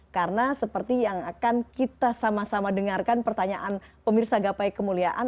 karena seperti yang akan kita sama sama dengarkan pertanyaan pemirsa gapai kemuliaan